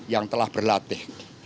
yang telah berlatih